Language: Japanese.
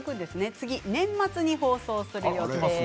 次は年末に放送する予定です。